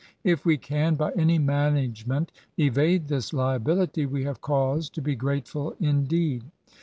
If we can, by any management, evade this liability, we have cause to be grateful indeed.